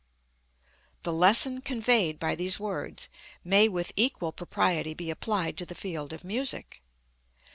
The lesson conveyed by these words may with equal propriety be applied to the field of music.